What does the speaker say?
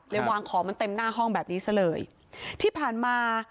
วางของมันเต็มหน้าห้องแบบนี้ซะเลยที่ผ่านมา